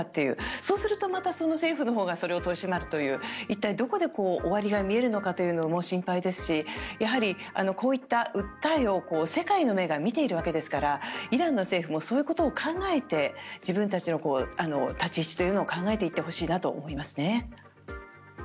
そうすると、また政府のほうがまたそれを取り締まるという一体どこで終わりが見えるのかというのも心配ですしやはりこういった訴えを世界の目が見ているわけですからイランの政府もそういうことを考えて自分たちの立ち位置というのを考えていってほしいなと思いますね。